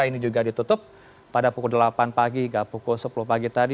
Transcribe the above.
ini juga ditutup pada pukul delapan pagi hingga pukul sepuluh pagi tadi